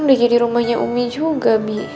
udah jadi rumahnya umi juga